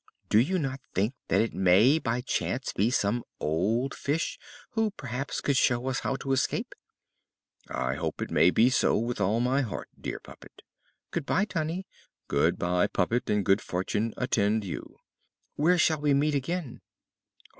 Do you not think that it may by chance be some old fish who perhaps could show us how to escape?" "I hope it may be so, with all my heart, dear puppet." "Good bye, Tunny." "Good bye, puppet, and good fortune attend you." "Where shall we meet again?"